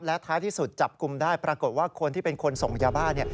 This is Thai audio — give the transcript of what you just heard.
และท้ายที่สุดจับกลุ่มได้ปรากฏว่าคนที่เป็นคนส่งยาบ้า